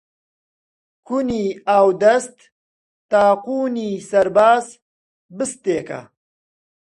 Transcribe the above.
کونی ئاودەست تا قوونی سەرباز بستێکە